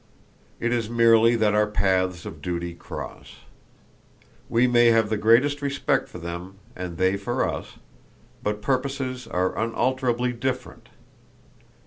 It is merely that our paths of duty cross. We may have the greatest respect for them and they for us, but purposes are unalterably different.